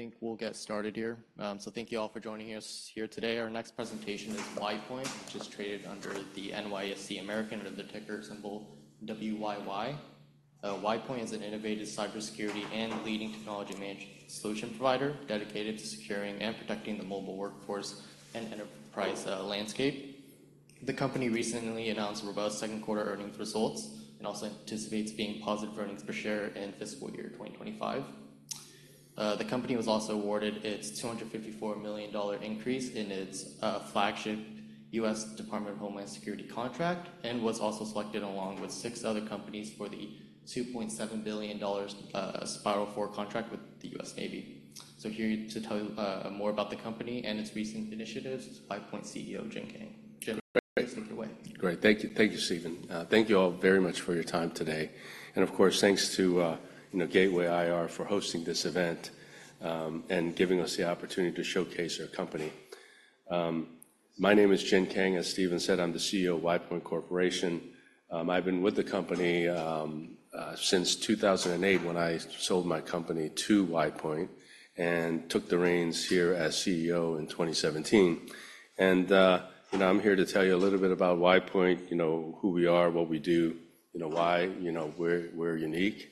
I think we'll get started here. Thank you all for joining us here today. Our next presentation is WidePoint, which is traded under the NYSE American under the ticker symbol WYY. WidePoint is an innovative cybersecurity and leading technology management solution provider dedicated to securing and protecting the mobile workforce and enterprise landscape. The company recently announced robust second quarter earnings results and also anticipates being positive earnings per share in fiscal year 2025. The company was also awarded its $254 million increase in its flagship US Department of Homeland Security contract, and was also selected along with six other companies for the $2.7 billion Spiral 4 contract with the US Navy. Here to tell you more about the company and its recent initiatives is WidePoint CEO, Jin Kang. Jin, take it away. Great. Thank you. Thank you, Steven. Thank you all very much for your time today. And of course, thanks to, you know, Gateway IR for hosting this event, and giving us the opportunity to showcase our company. My name is Jin Kang, as Steven said, I'm the CEO of WidePoint Corporation. I've been with the company since two thousand and eight, when I sold my company to WidePoint and took the reins here as CEO in twenty seventeen. And, you know, I'm here to tell you a little bit about WidePoint, you know, who we are, what we do, you know, why, you know, we're unique.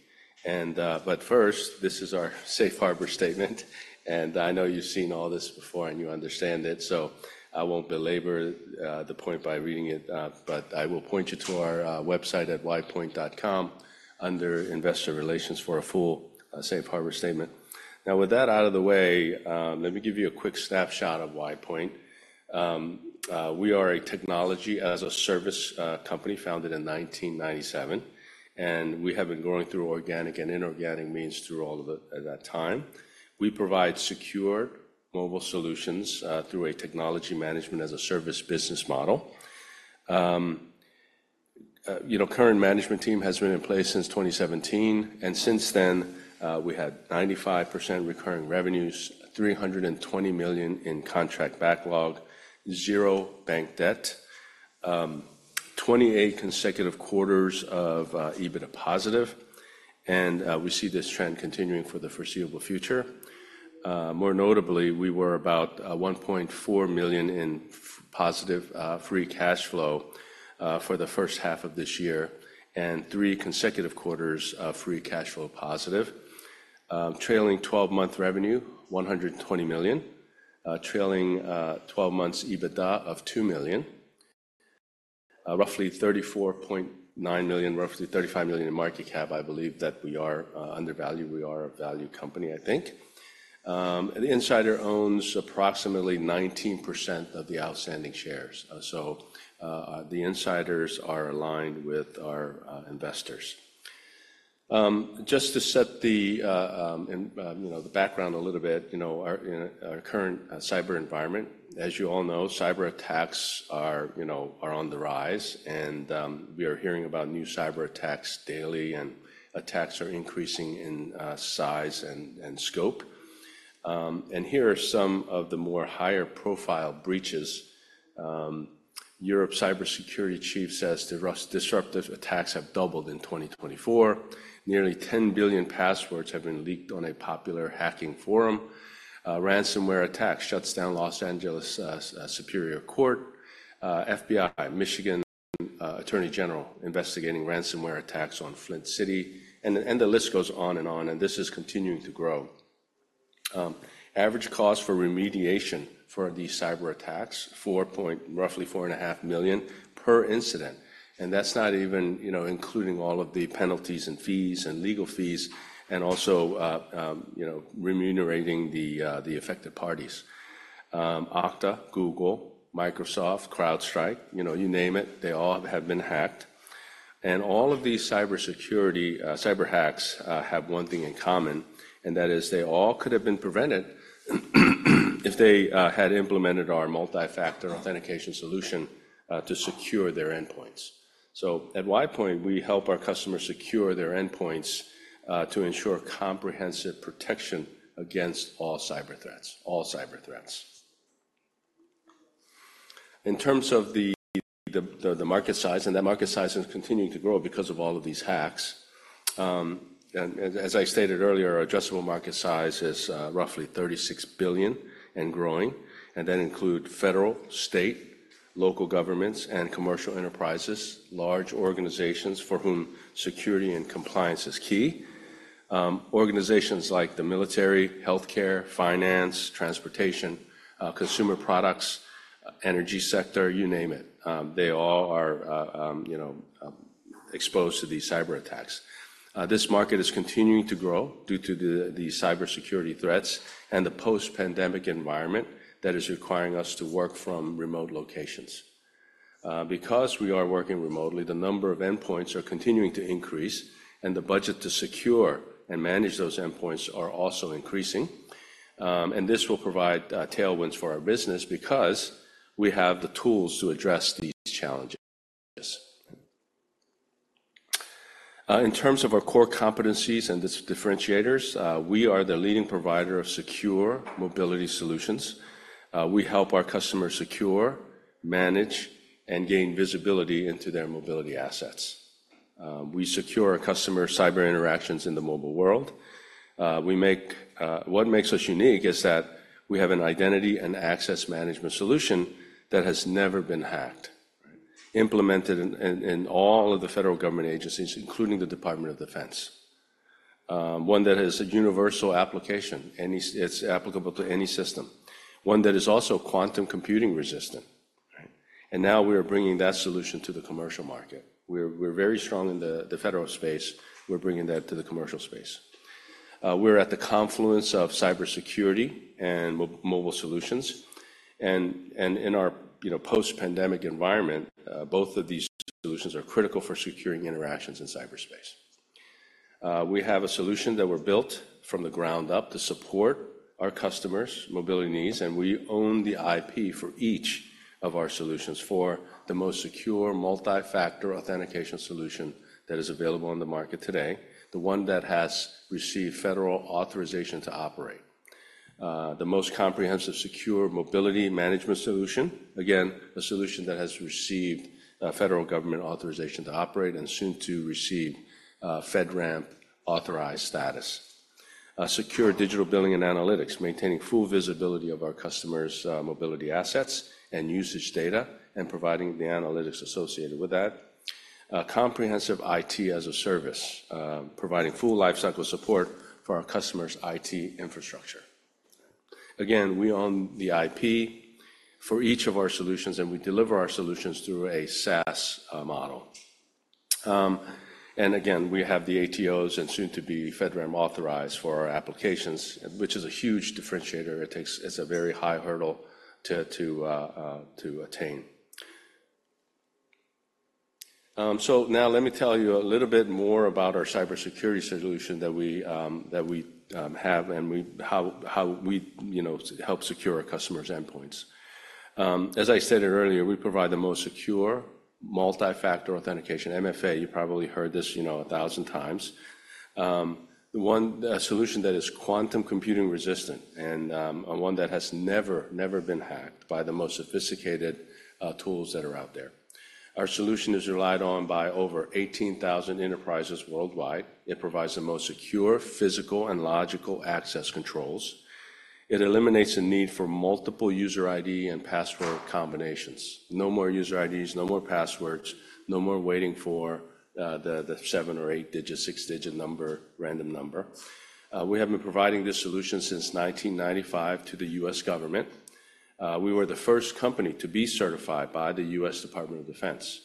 And, but first, this is our safe harbor statement, and I know you've seen all this before, and you understand it, so I won't belabor the point by reading it. But I will point you to our website at widepoint.com under Investor Relations for a full safe harbor statement. Now, with that out of the way, let me give you a quick snapshot of WidePoint. We are a technology as a service company founded in nineteen ninety-seven, and we have been growing through organic and inorganic means through all of it at that time. We provide secure mobile solutions through a technology management as a service business model. You know, current management team has been in place since twenty seventeen, and since then, we had 95% recurring revenues, $320 million in contract backlog, zero bank debt, 28 consecutive quarters of EBITDA positive, and we see this trend continuing for the foreseeable future. More notably, we were about $1.4 million in positive free cash flow for the first half of this year, and three consecutive quarters of free cash flow positive. Trailing twelve-month revenue, $120 million. Trailing twelve months EBITDA of $2 million. Roughly $34.9 million, roughly $35 million in market cap. I believe that we are undervalued. We are a value company, I think. The insider owns approximately 19% of the outstanding shares. So, the insiders are aligned with our investors. Just to set the background a little bit, you know, our current cyber environment. As you all know, cyberattacks are, you know, on the rise, and we are hearing about new cyberattacks daily, and attacks are increasing in size and scope. Here are some of the higher-profile breaches. Europe's cybersecurity chief says the Russian disruptive attacks have doubled in 2024. Nearly 10 billion passwords have been leaked on a popular hacking forum. Ransomware attack shuts down Los Angeles Superior Court. FBI, Michigan Attorney General investigating ransomware attacks on Flint City, and the list goes on and on, and this is continuing to grow. Average cost for remediation for these cyberattacks, roughly $4.5 million per incident, and that's not even, you know, including all of the penalties and fees and legal fees and also, you know, remunerating the affected parties. Okta, Google, Microsoft, CrowdStrike, you know, you name it, they all have been hacked. All of these cybersecurity cyber hacks have one thing in common, and that is they all could have been prevented, if they had implemented our multi-factor authentication solution to secure their endpoints. So at WidePoint, we help our customers secure their endpoints to ensure comprehensive protection against all cyber threats. In terms of the market size, and that market size is continuing to grow because of all of these hacks. And as I stated earlier, our addressable market size is roughly $36 billion and growing, and that include federal, state, local governments, and commercial enterprises, large organizations for whom security and compliance is key. Organizations like the military, healthcare, finance, transportation, consumer products, energy sector, you name it. They all are, you know, exposed to these cyberattacks. This market is continuing to grow due to the cybersecurity threats and the post-pandemic environment that is requiring us to work from remote locations. Because we are working remotely, the number of endpoints are continuing to increase, and the budget to secure and manage those endpoints are also increasing, and this will provide tailwinds for our business because we have the tools to address these challenges. In terms of our core competencies and differentiators, we are the leading provider of secure mobility solutions. We help our customers secure, manage, and gain visibility into their mobility assets. We secure our customer's cyber interactions in the mobile world. What makes us unique is that we have an identity and access management solution that has never been hacked. Implemented in all of the federal government agencies, including the Department of Defense. One that has a universal application, it's applicable to any system. One that is also quantum computing resistant, right? And now we are bringing that solution to the commercial market. We're very strong in the federal space. We're bringing that to the commercial space. We're at the confluence of cybersecurity and mobile solutions, and in our, you know, post-pandemic environment, both of these solutions are critical for securing interactions in cyberspace. We have a solution that we've built from the ground up to support our customers' mobility needs, and we own the IP for each of our solutions, for the most secure multi-factor authentication solution that is available on the market today, the one that has received federal authorization to operate. The most comprehensive, secure mobility management solution, again, a solution that has received federal government authorization to operate and soon to receive FedRAMP authorized status. Secure digital billing and analytics, maintaining full visibility of our customers' mobility assets and usage data, and providing the analytics associated with that. Comprehensive IT as a service, providing full lifecycle support for our customers' IT infrastructure. Again, we own the IP for each of our solutions, and we deliver our solutions through a SaaS model. Again, we have the ATOs and soon to be FedRAMP authorized for our applications, which is a huge differentiator. It's a very high hurdle to attain. So now let me tell you a little bit more about our cybersecurity solution that we have, and how we, you know, help secure our customers' endpoints. As I stated earlier, we provide the most secure multi-factor authentication, MFA. You probably heard this, you know, a thousand times. One solution that is quantum computing resistant and one that has never been hacked by the most sophisticated tools that are out there. Our solution is relied on by over eighteen thousand enterprises worldwide. It provides the most secure physical and logical access controls. It eliminates the need for multiple user ID and password combinations. No more user IDs, no more passwords, no more waiting for the seven or eight-digit, six-digit number, random number. We have been providing this solution since nineteen ninety-five to the U.S. government. We were the first company to be certified by the U.S. Department of Defense.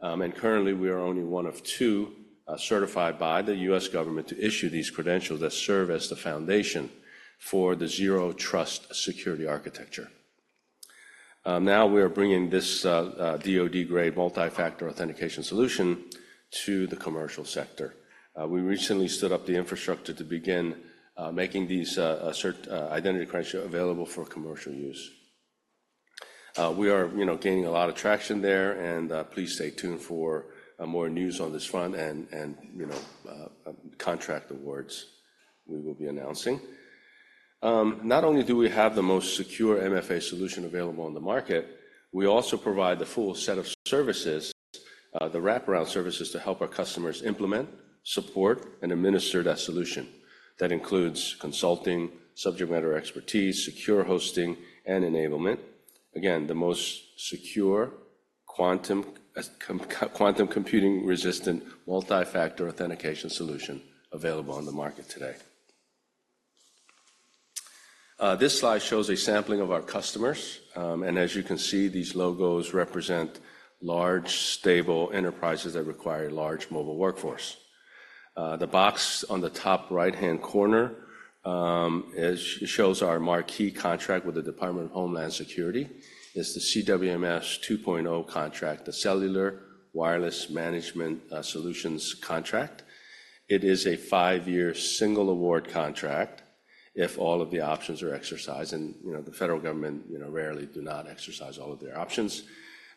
And currently, we are only one of two certified by the U.S. government to issue these credentials that serve as the foundation for the Zero Trust security architecture. Now we are bringing this DoD-grade multi-factor authentication solution to the commercial sector. We recently stood up the infrastructure to begin making these certified identity criteria available for commercial use. We are, you know, gaining a lot of traction there, and please stay tuned for more news on this front and, you know, contract awards we will be announcing. Not only do we have the most secure MFA solution available on the market, we also provide the full set of services, the wraparound services to help our customers implement, support, and administer that solution. That includes consulting, subject matter expertise, secure hosting, and enablement. Again, the most secure quantum computing resistant multi-factor authentication solution available on the market today. This slide shows a sampling of our customers, and as you can see, these logos represent large, stable enterprises that require a large mobile workforce. The box on the top right-hand corner shows our marquee contract with the Department of Homeland Security. It's the CWMS 2.0 contract, the Cellular Wireless Managed Services contract. It is a five-year single award contract if all of the options are exercised, and, you know, the federal government, you know, rarely do not exercise all of their options.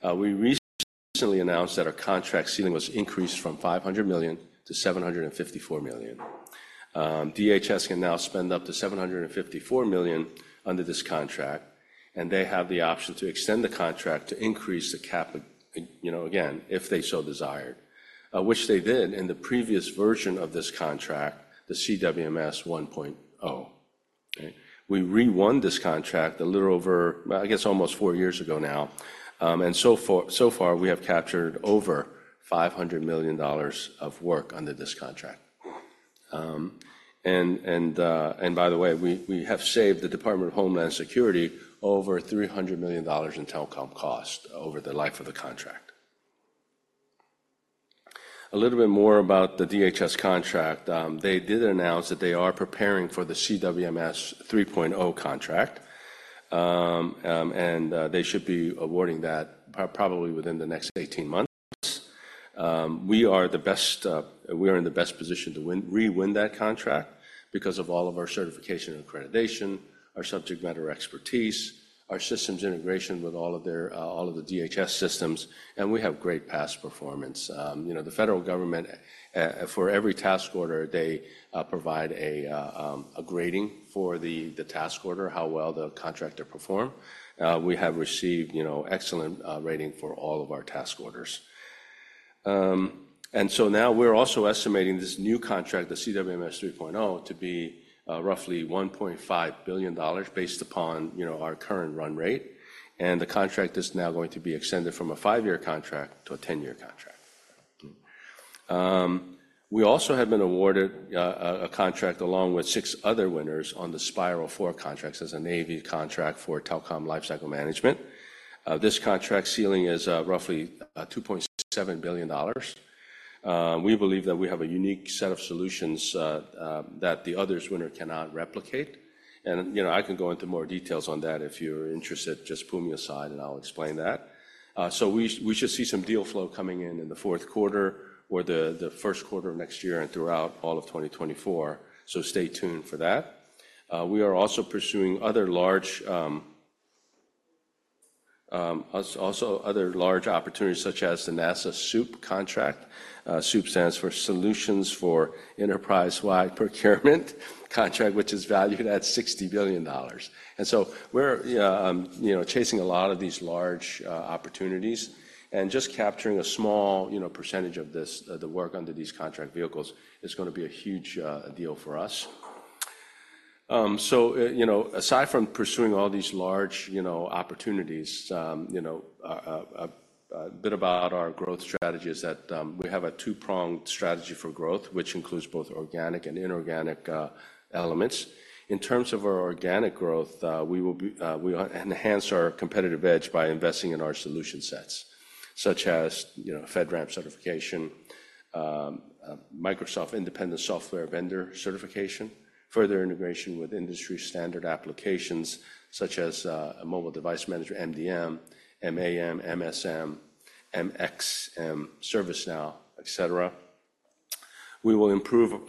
We recently announced that our contract ceiling was increased from $500 million to $754 million. DHS can now spend up to $754 million under this contract, and they have the option to extend the contract to increase the cap, you know, again, if they so desired, which they did in the previous version of this contract, the CWMS 1.0. Okay? We re-won this contract a little over, I guess, almost four years ago now, and so far, we have captured over $500 million of work under this contract. And by the way, we have saved the Department of Homeland Security over $300 million in telecom costs over the life of the contract. A little bit more about the DHS contract. They did announce that they are preparing for the CWMS 3.0 contract. They should be awarding that probably within the next 18 months. We are the best, we are in the best position to win, re-win that contract because of all of our certification and accreditation, our subject matter expertise, our systems integration with all of the DHS systems, and we have great past performance. You know, the federal government for every task order, they provide a grading for the task order, how well the contractor performed. We have received, you know, excellent rating for all of our task orders. So now we're also estimating this new contract, the CWMS 3.0, to be roughly $1.5 billion based upon, you know, our current run rate. And the contract is now going to be extended from a five-year contract to a ten-year contract. We also have been awarded a contract along with six other winners on the Spiral 4 contracts. It's a Navy contract for telecom lifecycle management. This contract ceiling is roughly $2.7 billion. We believe that we have a unique set of solutions that the other winners cannot replicate. And, you know, I can go into more details on that. If you're interested, just pull me aside, and I'll explain that. So we should see some deal flow coming in in the fourth quarter or the first quarter of next year and throughout all of 2024, so stay tuned for that. We are also pursuing other large... Also other large opportunities, such as the NASA SEWP contract. SEWP stands for Solutions for Enterprise-Wide Procurement contract, which is valued at $60 billion. And so we're, you know, chasing a lot of these large opportunities, and just capturing a small, you know, percentage of this, the work under these contract vehicles is gonna be a huge deal for us. So, you know, aside from pursuing all these large, you know, opportunities, a bit about our growth strategy is that, we have a two-pronged strategy for growth, which includes both organic and inorganic elements. In terms of our organic growth, we enhance our competitive edge by investing in our solution sets, such as, you know, FedRAMP certification, Microsoft Independent Software Vendor certification, further integration with industry-standard applications, such as, Mobile Device Manager, MDM, MAM, MMS, MX, ServiceNow, et cetera. We will improve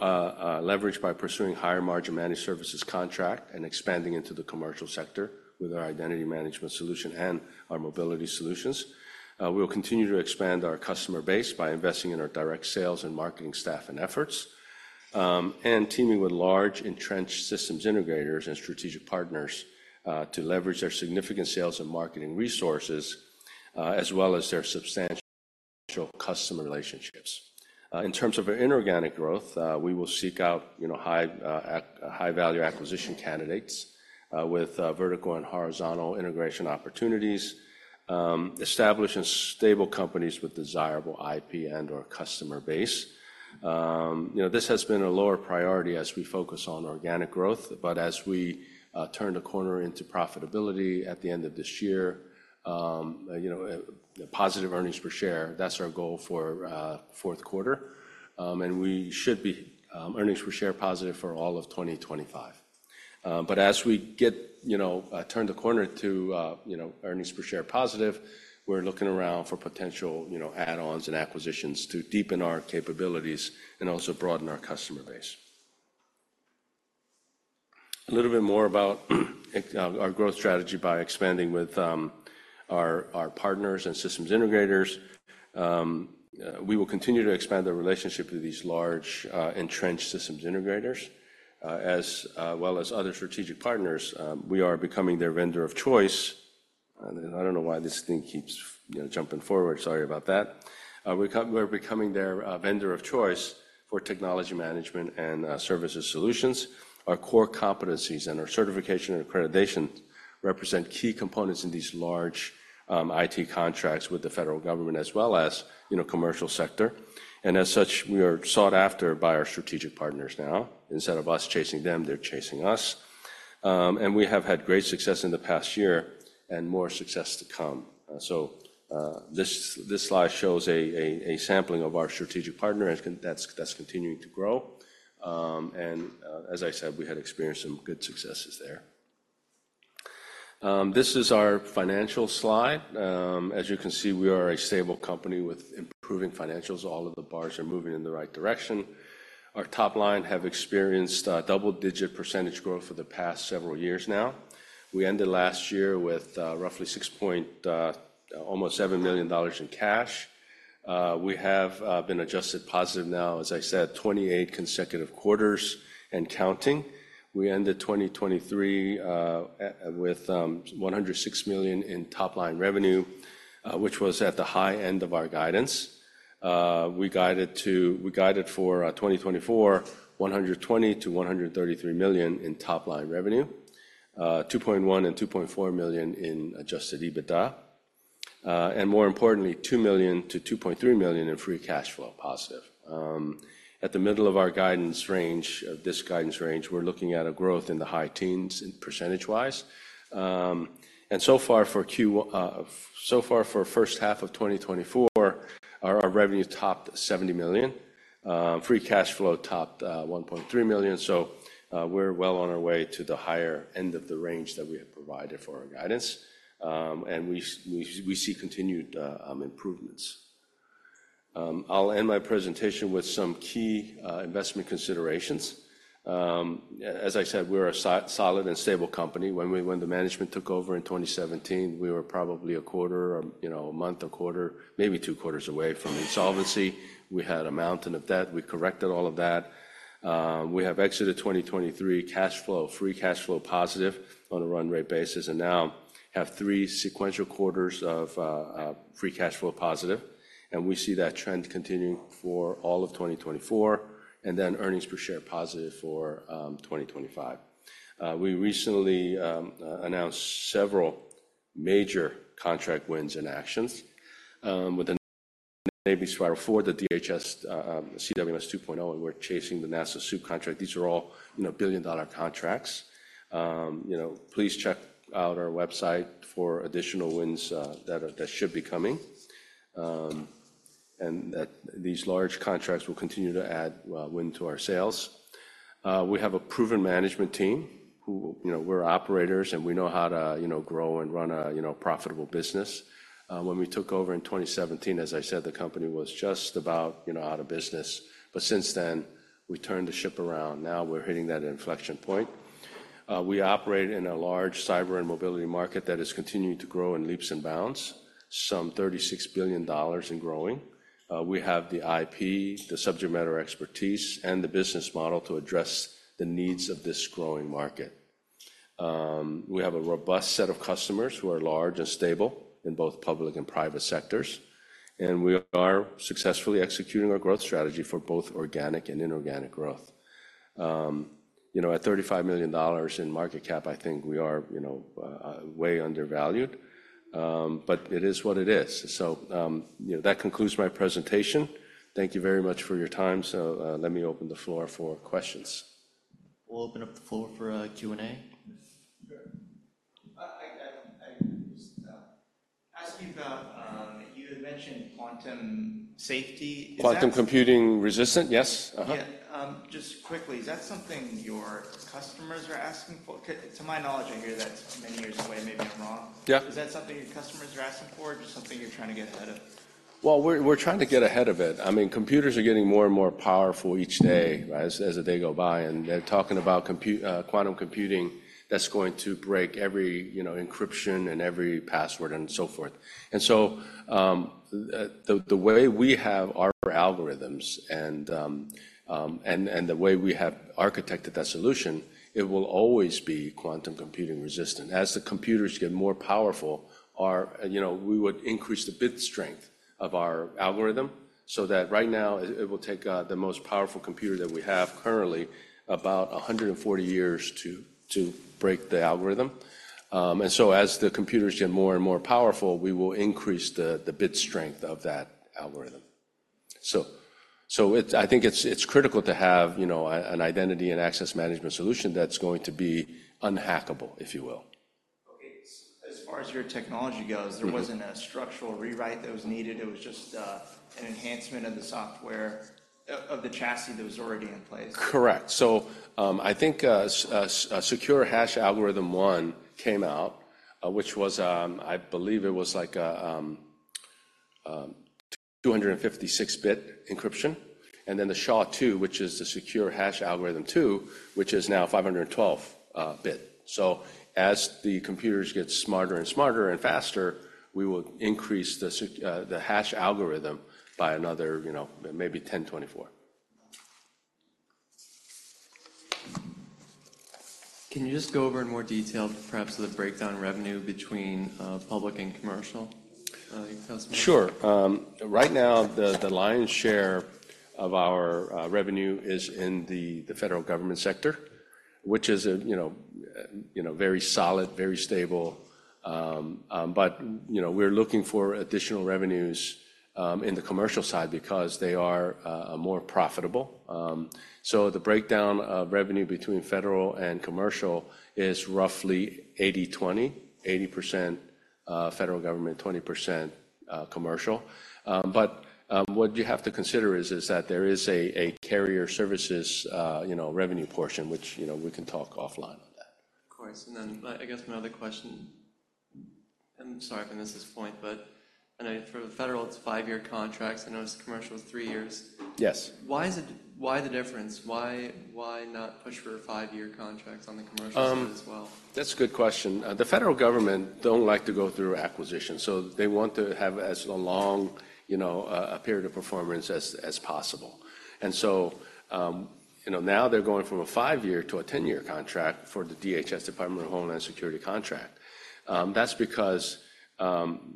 leverage by pursuing higher-margin managed services contract and expanding into the commercial sector with our identity management solution and our mobility solutions. We will continue to expand our customer base by investing in our direct sales and marketing staff and efforts, and teaming with large, entrenched systems integrators and strategic partners, to leverage their significant sales and marketing resources, as well as their substantial customer relationships. In terms of our inorganic growth, we will seek out, you know, high-value acquisition candidates with vertical and horizontal integration opportunities, establishing stable companies with desirable IP and/or customer base. You know, this has been a lower priority as we focus on organic growth, but as we turn the corner into profitability at the end of this year, you know, positive earnings per share, that's our goal for fourth quarter, and we should be earnings per share positive for all of twenty twenty-five. But as we get, you know, turn the corner to, you know, earnings per share positive, we're looking around for potential, you know, add-ons and acquisitions to deepen our capabilities and also broaden our customer base. A little bit more about our growth strategy by expanding with our partners and systems integrators. We will continue to expand the relationship with these large entrenched systems integrators, as well as other strategic partners. We are becoming their vendor of choice. I don't know why this thing keeps, you know, jumping forward. Sorry about that. We're becoming their vendor of choice for technology management and services solutions. Our core competencies and our certification and accreditation represent key components in these large IT contracts with the federal government as well as, you know, commercial sector. As such, we are sought after by our strategic partners now. Instead of us chasing them, they're chasing us. We have had great success in the past year and more success to come. This slide shows a sampling of our strategic partners, and that's continuing to grow. As I said, we had experienced some good successes there. This is our financial slide. As you can see, we are a stable company with improving financials. All of the bars are moving in the right direction. Our top line have experienced double-digit % growth for the past several years now. We ended last year with roughly $6.0, almost $7 million in cash. We have been adjusted positive now, as I said, 28 consecutive quarters and counting. We ended 2023 with $106 million in top-line revenue, which was at the high end of our guidance. We guided for 2024, $120-133 million in top-line revenue, $2.1-2.4 million in adjusted EBITDA, and more importantly, $2-2.3 million in free cash flow positive. At the middle of our guidance range, this guidance range, we're looking at a growth in the high teens %. And so far for first half of 2024, our revenue topped $70 million. Free cash flow topped $1.3 million. So, we're well on our way to the higher end of the range that we had provided for our guidance. And we see continued improvements. I'll end my presentation with some key investment considerations. As I said, we're a solid and stable company. When the management took over in twenty seventeen, we were probably a quarter or, you know, a month, a quarter, maybe two quarters away from insolvency. We had a mountain of debt. We corrected all of that. We have exited twenty twenty-three cash flow free cash flow positive on a run rate basis, and now have three sequential quarters of free cash flow positive, and we see that trend continuing for all of twenty twenty-four, and then earnings per share positive for twenty twenty-five. We recently announced several major contract wins and actions with the Navy Spiral 4, the DHS CWMS 2.0, and we're chasing the NASA SEWP contract. These are all, you know, billion-dollar contracts. You know, please check out our website for additional wins that should be coming, and that these large contracts will continue to add wind to our sales. We have a proven management team who... You know, we're operators, and we know how to, you know, grow and run a, you know, profitable business. When we took over in 2017, as I said, the company was just about, you know, out of business, but since then, we turned the ship around. Now, we're hitting that inflection point. We operate in a large cyber and mobility market that is continuing to grow in leaps and bounds, some $36 billion and growing. We have the IP, the subject matter expertise, and the business model to address the needs of this growing market. We have a robust set of customers who are large and stable in both public and private sectors, and we are successfully executing our growth strategy for both organic and inorganic growth. You know, at $35 million in market cap, I think we are, you know, way undervalued, but it is what it is, so you know, that concludes my presentation. Thank you very much for your time, so let me open the floor for questions. We'll open up the floor for a Q&A. Sure. I ask you about you had mentioned quantum safety. quantum computing resistant? Yes. Uh-huh. Yeah. Just quickly, is that something your customers are asking for? To my knowledge, I hear that's many years away, maybe I'm wrong. Yeah. Is that something your customers are asking for, or just something you're trying to get ahead of? We're trying to get ahead of it. I mean, computers are getting more and more powerful each day, as the day go by, and they're talking about quantum computing that's going to break every, you know, encryption and every password and so forth. The way we have our algorithms and the way we have architected that solution, it will always be quantum computing resistant. As the computers get more powerful, you know, we would increase the bit strength of our algorithm so that right now, it will take the most powerful computer that we have currently about a hundred and forty years to break the algorithm. As the computers get more and more powerful, we will increase the bit strength of that algorithm. I think it's critical to have, you know, an identity and access management solution that's going to be unhackable, if you will. Okay. As far as your technology goes- Mm-hmm. There wasn't a structural rewrite that was needed. It was just an enhancement of the software, of the chassis that was already in place. Correct. So, I think, Secure Hash Algorithm 1 came out, which was, I believe it was, like, a 256-bit encryption, and then the SHA-2, which is the Secure Hash Algorithm 2, which is now 512 bit. So as the computers get smarter and smarter and faster, we will increase the hash algorithm by another, you know, maybe 1024. Can you just go over in more detail, perhaps the breakdown revenue between public and commercial customers? Sure. Right now, the lion's share of our revenue is in the federal government sector, which is, you know, very solid, very stable, but you know, we're looking for additional revenues in the commercial side because they are more profitable, so the breakdown of revenue between federal and commercial is roughly 80/20, 80% federal government, 20% commercial. But what you have to consider is that there is a carrier services revenue portion, which, you know, we can talk offline on that. Of course. And then, I guess my other question, and sorry if I missed this point, but I know for the federal, it's five-year contracts. I noticed commercial, it's three years. Yes. Why the difference? Why, why not push for five-year contracts on the commercial side as well? That's a good question. The federal government don't like to go through acquisitions, so they want to have as a long, you know, a period of performance as possible. And so, you know, now they're going from a five-year to a ten-year contract for the DHS, Department of Homeland Security contract. That's because,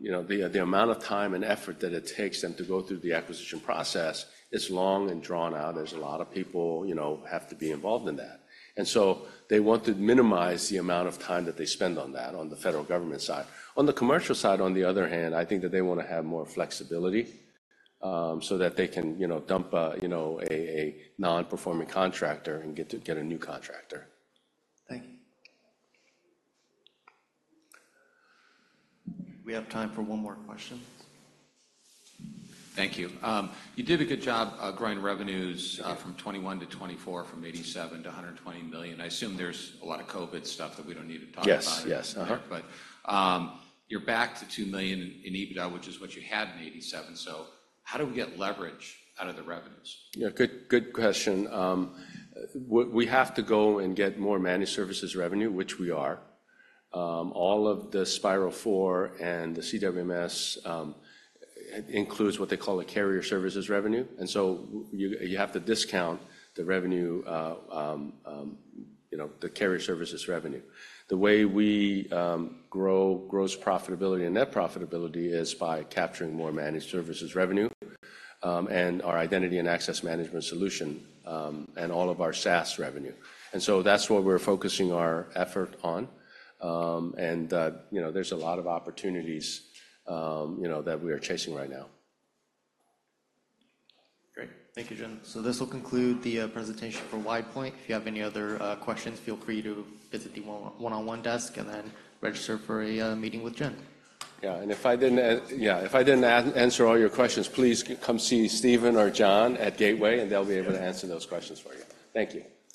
you know, the amount of time and effort that it takes them to go through the acquisition process is long and drawn out. There's a lot of people, you know, have to be involved in that. And so they want to minimize the amount of time that they spend on that, on the federal government side. On the commercial side, on the other hand, I think that they want to have more flexibility, so that they can, you know, dump a non-performing contractor and get a new contractor. Thank you. We have time for one more question. Thank you. You did a good job growing revenues- Yeah. From 21-24, from $87 million to $120 million. I assume there's a lot of COVID stuff that we don't need to talk about. Yes. Yes. Uh-huh. But, you're back to two million in EBITDA, which is what you had in eighty-seven, so how do we get leverage out of the revenues? Yeah, good, good question. We have to go and get more managed services revenue, which we are. All of the Spiral 4 and the CWMS includes what they call a carrier services revenue, and so you have to discount the revenue, you know, the carrier services revenue. The way we grow gross profitability and net profitability is by capturing more managed services revenue, and our identity and access management solution, and all of our SaaS revenue. And so that's what we're focusing our effort on. And, you know, there's a lot of opportunities, you know, that we are chasing right now. Great. Thank you, Jin. So this will conclude the presentation for WidePoint. If you have any other questions, feel free to visit the one-on-one desk and then register for a meeting with Jin. Yeah, and if I didn't answer all your questions, please come see Steven or John at Gateway, and they'll be able to answer those questions for you. Thank you.